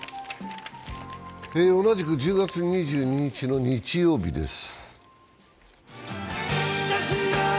同じく１０月２２日の日曜日です。